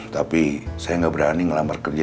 tapi saya gak berani ngelamar kerja